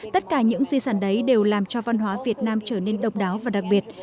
tất cả những di sản đấy đều làm cho văn hóa việt nam trở nên độc đáo và đặc biệt